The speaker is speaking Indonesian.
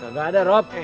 gak ada rob